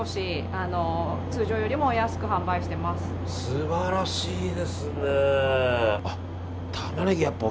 素晴らしいですね。